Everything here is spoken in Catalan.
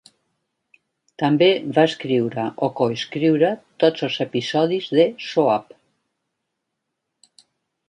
També va escriure o coescriure tots els episodis de "Soap".